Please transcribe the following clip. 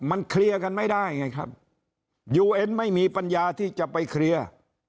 มันเคลียร์กันไม่ได้ไงครับยูเอ็นไม่มีปัญญาที่จะไปเคลียร์